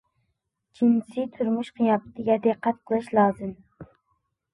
جىنسى تۇرمۇش قىياپىتىگە دىققەت قىلىش لازىم.